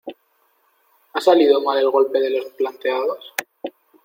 ¿ ha salido mal el golpe de los plateados?